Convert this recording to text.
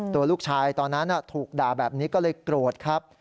ตัวลูกชายตอนนั้นถูกด่าแบบนี้ก็เลยโกรธครับ